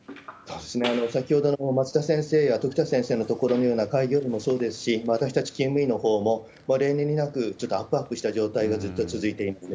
先ほどの松田先生や時田先生の所のような開業医もそうですし、私たち勤務医のほうも、例年になく、ちょっとあっぷあっぷした状態がずっと続いています。